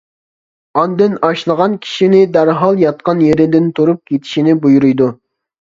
ئاندىن ئاشلىغان كىشىنى دەرھال ياتقان يېرىدىن تۇرۇپ كېتىشنى بۇيرۇيدۇ.